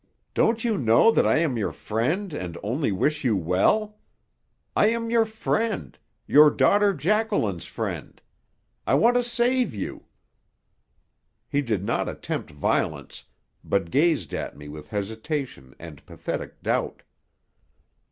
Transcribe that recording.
"Don't you know that I am your friend and only wish you well? I am your friend your daughter Jacqueline's friend. I want to save you!" He did not attempt violence, but gazed at me with hesitation and pathetic doubt.